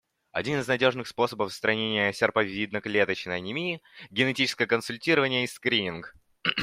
Один из надежных способов устранения серповидно-клеточной анемии — генетическое консультирование и скрининг.